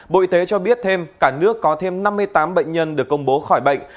bộ y tế cho biết thêm cả nước có thêm năm mươi tám bệnh nhân được công bố khỏi bệnh